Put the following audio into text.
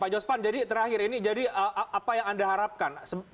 pak jospan jadi terakhir ini jadi apa yang anda harapkan